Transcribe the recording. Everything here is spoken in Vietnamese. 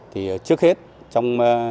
thì trước hết trong